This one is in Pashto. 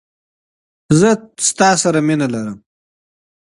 زه تاسره مینه لرم